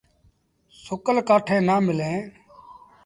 سُڪل ڪآٺيٚن نا مليٚن۔